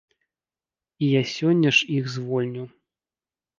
І я сёння ж іх звольню.